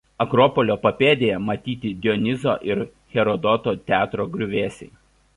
Akropolio papėdėje matyti Dioniso ir Herodoto teatro griuvėsiai.